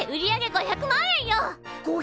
５００万円！？